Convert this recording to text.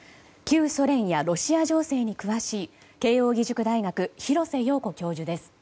旧ソ連やロシア情勢に詳しい慶應義塾大学廣瀬陽子教授です。